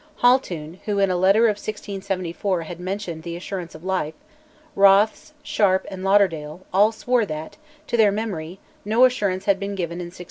Haltoun (who in a letter of 1674 had mentioned the assurance of life), Rothes, Sharp, and Lauderdale, all swore that, to their memory, no assurance had been given in 1674.